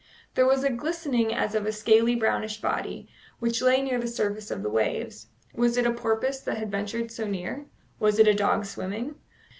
There was a glistening as of a scaly, brownish body, which lay near the surface of the waves. Was it a porpoise that had ventured so near? Was it a dog swimming?